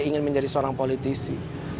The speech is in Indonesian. ingin menjadi seorang politisi